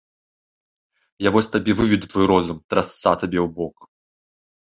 Я вось табе выведу твой розум, трасца табе ў бок!